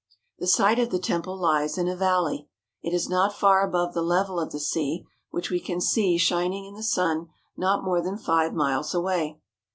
The site of the temple lies in a valley. It is not far above the level of the sea, which we can see shining in the sun not more than five miles away.